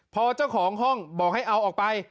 พอเจ้าของห้องบอกให้เอาออกไป